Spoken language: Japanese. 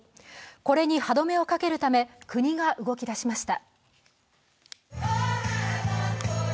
これに歯止めをかけるため、国が動き出しました。